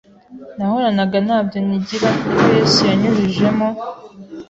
nahoranaga ntabyo nkigira kuko Yesu yanyujujemo